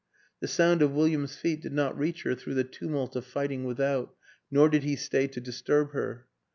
The sound of William's feet did not reach her through the tumult of fighting without, nor did he stay to disturb her.